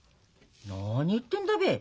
何言ってんだべ？